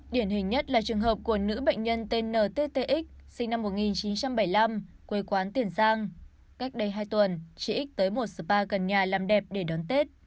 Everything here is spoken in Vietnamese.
điển hình nhất là trường hợp của nữ bệnh nhân tên nttx sinh năm một nghìn chín trăm bảy mươi năm quê quán tiền giang cách đây hai tuần chị x tới một spa gần nhà làm đẹp để đón tết